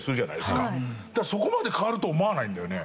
だからそこまで変わると思わないんだよね。